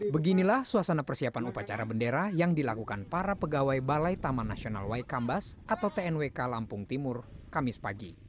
beginilah suasana persiapan upacara bendera yang dilakukan para pegawai balai taman nasional waikambas atau tnwk lampung timur kamis pagi